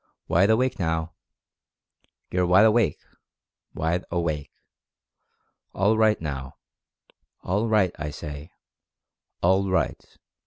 WIDE AWAKE NOW— you're Wide Awake — wide awake! All right, now — ALL RIGHT, I say— ALL RIGHT!